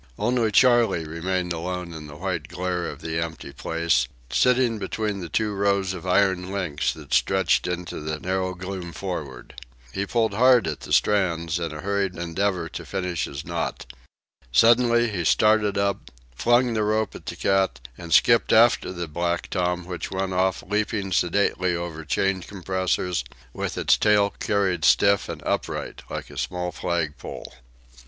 Only Charley remained alone in the white glare of the empty place, sitting between the two rows of iron links that stretched into the narrow gloom forward. He pulled hard at the strands in a hurried endeavour to finish his knot. Suddenly he started up, flung the rope at the cat, and skipped after the black tom which went off leaping sedately over chain compressors, with its tail carried stiff and upright, like a small flag pole.